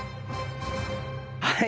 はい。